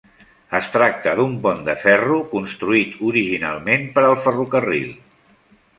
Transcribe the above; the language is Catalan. Es tracta d'un pont de ferro construït originalment per al ferrocarril.